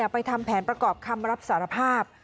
ไปทำแผนประกอบคำรับสารภาพ